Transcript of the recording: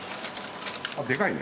でかいね。